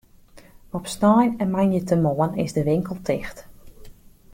Op snein en moandeitemoarn is de winkel ticht.